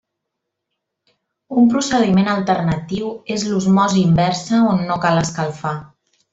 Un procediment alternatiu és l'osmosi inversa on no cal escalfar.